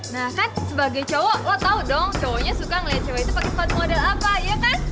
nah kan sebagai cowok lo tau dong cowoknya suka ngeliat cewek itu pakai sepatu model apa ya kan